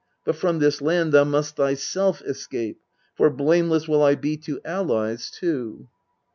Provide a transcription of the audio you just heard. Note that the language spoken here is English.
But from this land thou must thyself escape ; For blameless will I be to allies too.